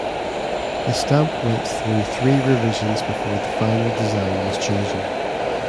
The stamp went through three revisions before the final design was chosen.